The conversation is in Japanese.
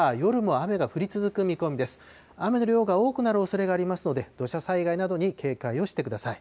雨の量が多くなるおそれがありますので、土砂災害などに警戒をしてください。